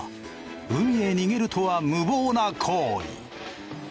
海へ逃げるとは無謀な行為。